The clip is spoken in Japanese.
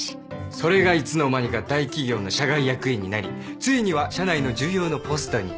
それがいつの間にか大企業の社外役員になりついには社内の重要なポストに。